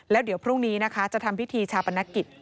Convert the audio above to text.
แล้วเดี๋ยวพรุ่งนี้นะคะจะทำพิธีชาปนกิจ